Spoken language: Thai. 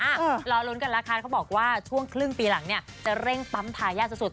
รอลุ้นกันแล้วค่ะเขาบอกว่าช่วงครึ่งปีหลังเนี่ยจะเร่งปั๊มทายาทสุดสุด